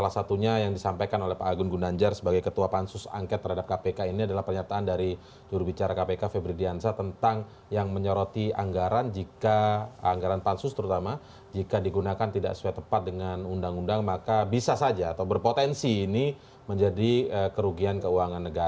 salah satunya yang disampaikan oleh pak agun gunanjar sebagai ketua pansus angket terhadap kpk ini adalah pernyataan dari jurubicara kpk febri diansa tentang yang menyoroti anggaran jika anggaran pansus terutama jika digunakan tidak sesuai tepat dengan undang undang maka bisa saja atau berpotensi ini menjadi kerugian keuangan negara